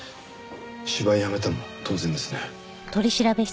芝居辞めても当然ですね。